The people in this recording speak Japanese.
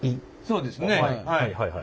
そうですねはい。